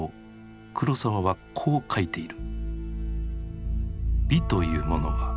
黒澤はこう書いている。